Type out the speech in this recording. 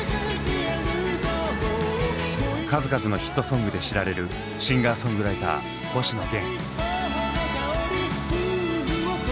数々のヒットソングで知られるシンガーソングライター星野源。